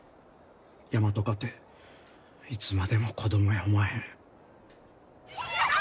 大和かていつまでも子供やおまへん。